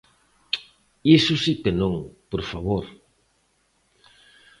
Iso si que non, por favor.